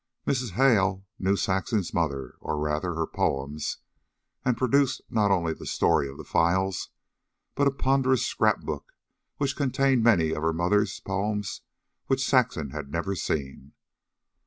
Mrs. Hale knew Saxon's mother or, rather, her poems; and produced, not only "The Story of the Files," but a ponderous scrapbook which contained many of her mother's poems which Saxon had never seen.